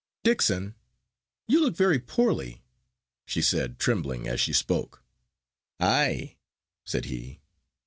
"Dixon, you look very poorly," she said, trembling as she spoke. "Ay!" said he.